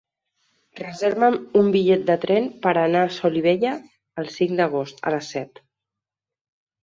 Reserva'm un bitllet de tren per anar a Solivella el cinc d'agost a les set.